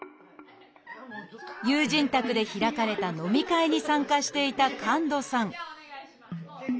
友人宅で開かれた飲み会に参加していた神門さん